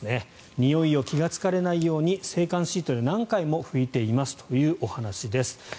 においを気がつかれないように制汗シートで何回も拭いていますというお話です。